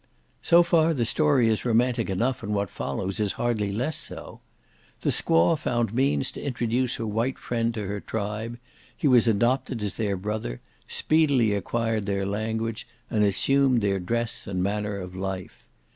So far the story is romantic enough, and what follows is hardly less so. The squaw found means to introduce her white friend to her tribe; he was adopted as their brother, speedily acquired their language, and assumed their dress and manner of life.